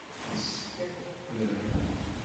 Yessefk ad teqqlem.